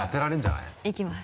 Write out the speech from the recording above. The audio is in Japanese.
いきます。